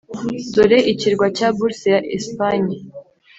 dore i kirwa cya bourse ya espagne.